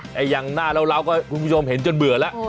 แต่อย่างหน้าเราก็คุณผู้ชมเห็นจนเบื่อแล้ว